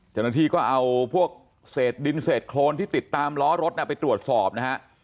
จนทีก็เอาพวกดินเศษโครนที่ติดตามล้อรถไปตรวจสอบนะฮะ